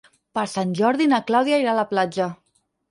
Per Sant Jordi na Clàudia irà a la platja.